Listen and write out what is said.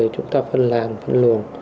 chúng ta vẫn là